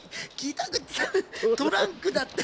トランクだって。